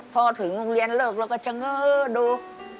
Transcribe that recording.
พอถึงโรงเรียนเลิกแล้วก็ชังเงินดู